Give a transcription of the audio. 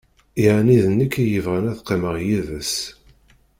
Yeɛni d nekk i yebɣan ad qqimeɣ yid-s.